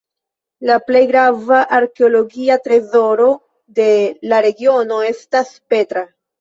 La plej grava arkeologia trezoro de la regiono estas Petra.